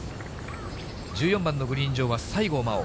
１４番のグリーン上は、西郷真央。